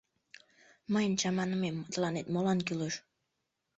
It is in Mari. Мыйын чаманымем тыланет молан кӱлеш?